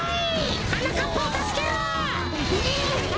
はなかっぱをたすけろ！